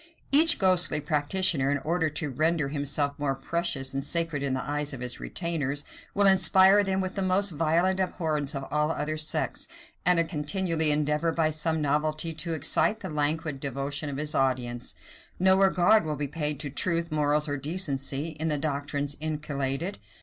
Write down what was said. Each ghostly practitioner, in order to render himself more precious and sacred in the eyes of his retainers, will inspire them with the most violent abhorrence of all other sects, and continually endeavor, by some novelty, to excite the languid devotion of his audience. No regard will be paid to truth, morals, or decency, in the doctrines inculcated.